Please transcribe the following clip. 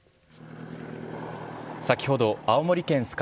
先ほど、青森県酸ケ